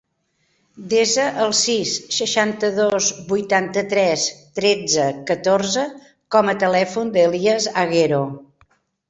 Desa el sis, seixanta-dos, vuitanta-tres, tretze, catorze com a telèfon de l'Elías Aguero.